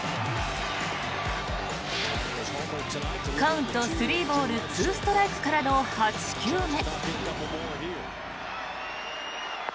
カウント３ボール２ストライクからの８球目。